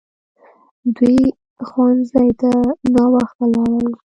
دوی ښوونځي ته ناوخته لاړل!